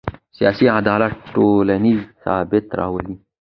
سیاسي عدالت ټولنیز ثبات راولي